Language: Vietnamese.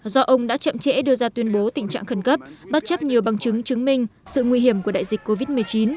do ông đã chậm chẽ đưa ra tuyên bố tình trạng khẩn cấp bất chấp nhiều bằng chứng chứng minh sự nguy hiểm của đại dịch covid một mươi chín